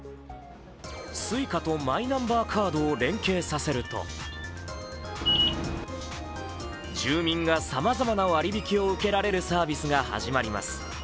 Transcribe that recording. Ｓｕｉｃａとマイナンバーカードを連携させると住民がさまざまな割り引きを受けられるサービスが始まります。